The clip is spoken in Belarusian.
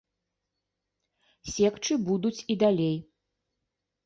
Секчы будуць і далей.